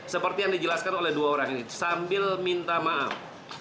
seperti yang dijelaskan oleh dua orang ini sambil minta maaf